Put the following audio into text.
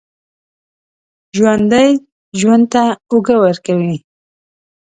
ژوندي ژوند ته اوږه ورکوي